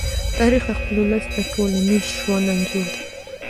تاریخ د خپل ولس د ټولنیز ژوند انځور دی.